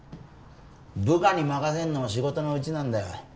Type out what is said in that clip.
部下に任せるのも仕事のうちなんだよ